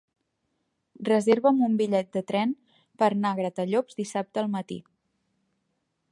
Reserva'm un bitllet de tren per anar a Gratallops dissabte al matí.